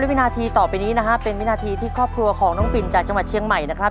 วินาทีต่อไปนี้นะฮะเป็นวินาทีที่ครอบครัวของน้องปิ่นจากจังหวัดเชียงใหม่นะครับ